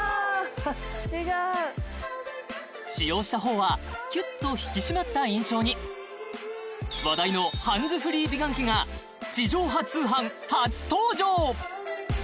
違う使用したほうはキュッと引き締まった印象に話題のハンズフリー美顔器が地上波通販初登場！